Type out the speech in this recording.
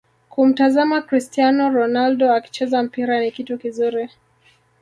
Kumtazama Crstiano Ronaldo akicheza mpira ni kitu kizuri